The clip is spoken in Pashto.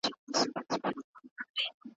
اسلامي شريعت خاوند ته وايي، چي ته ښه ګذاره کوه